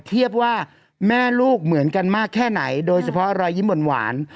เทียบว่าแม่ลูกเหมือนกันมากแค่ไหนโดยเฉพาะรอยยิ้มหวาน